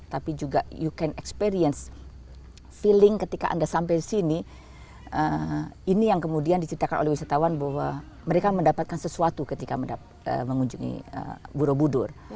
tapi juga you can experience feeling ketika anda sampai sini ini yang kemudian diceritakan oleh wisatawan bahwa mereka mendapatkan sesuatu ketika mengunjungi borobudur